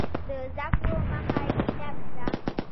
د زده کړو مخه یې ډپ کړه.